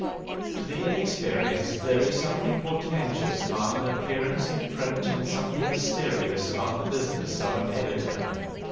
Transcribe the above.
To the inexperienced there is something portentous about an appearance in print and something mysterious about the business of an editor.